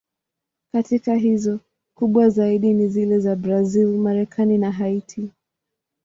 Katika hizo, kubwa zaidi ni zile za Brazil, Marekani na Haiti.